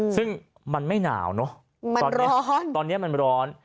ซึ่งมันไม่หนาวเนอะตอนนี้มันร้อน